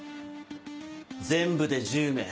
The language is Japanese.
全部で１０名。